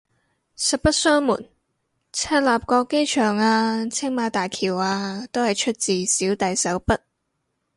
實不相瞞，赤鱲角機場啊青馬大橋啊都係出自小弟手筆